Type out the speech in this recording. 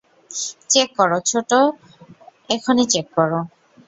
Check কর, ছোটু, এখনি check কর।